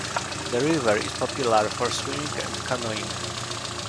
The river is popular for swimming and canoeing.